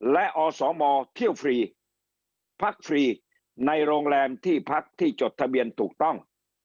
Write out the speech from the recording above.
และอสมเที่ยวฟรีพักฟรีในโรงแรมที่พักที่จดทะเบียนถูกต้อง